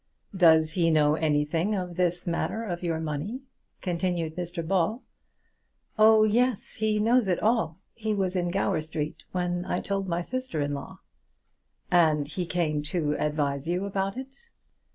"Does he know anything of this matter of your money?" continued Mr Ball. "Oh yes; he knows it all. He was in Gower Street when I told my sister in law." "And he came to advise you about it?"